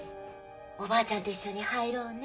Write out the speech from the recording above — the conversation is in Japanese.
おばあちゃんと一緒に入ろうね。